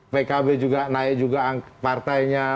pkb juga naik juga partainya